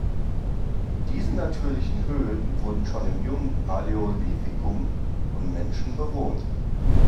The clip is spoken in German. Diese natürlichen Höhlen wurden schon im Jungpaläolithikum von Menschen bewohnt.